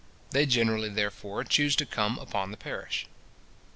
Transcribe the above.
They generally, therefore, chuse to come upon the parish.